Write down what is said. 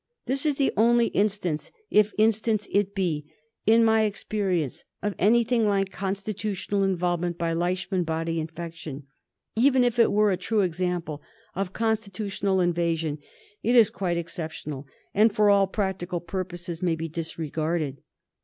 This is the only instance, if instance it be, in my experience of anything like constitutional involve ment by Leishman body infection. Even if it were a true example of constitutional invasion it is quite excep tional, and for all practical purposes may be disregarded.